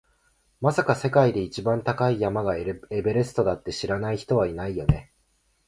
まさか、世界で一番高い山がエベレストだって知らない人はいないよね？